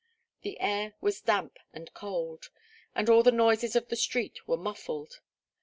The air was damp and cold, and all the noises of the street were muffled.